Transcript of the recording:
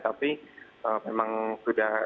tapi memang sudah menurut mas ludi dan rati